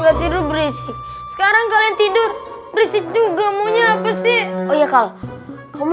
gila ini udah malem